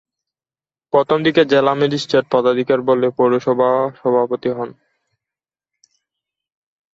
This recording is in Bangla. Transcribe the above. প্রথমদিকে জেলা ম্যাজিস্ট্রেট পদাধিকার বলে পৌরসভার সভাপতি হন।